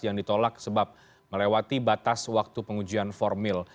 yang ditolak sebab melewati batas waktu pengujian formil